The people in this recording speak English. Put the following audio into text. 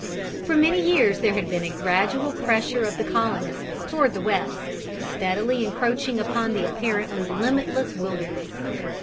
For many years there had been a gradual pressure of the colonists towards the west, steadily encroaching upon the apparently limitless wilderness.